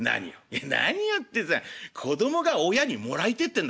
「何をってさ子供が親にもらいてえってんだよ？